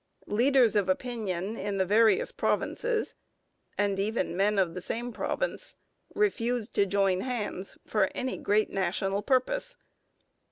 Leaders of opinion in the various provinces, and even men of the same province, refused to join hands for any great national purpose.